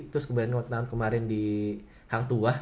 terus kemudian kemaren di hang tuah